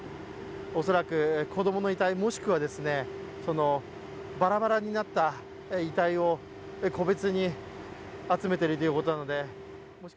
恐らく子供の遺体、もしくはバラバラになった遺体を個別に集めているということなので。